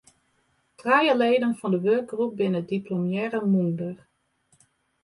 Trije leden fan de wurkgroep binne diplomearre mûnder.